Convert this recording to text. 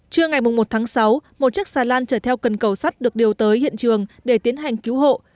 trưa ngày một tháng sáu một chiếc xà lan chở theo cần cầu sắt được điều tới hiện trường để tiến hành cứu hộ